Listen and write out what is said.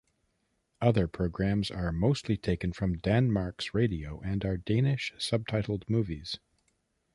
The other programmes are mostly taken from Danmarks Radio and are Danish subtitled movies.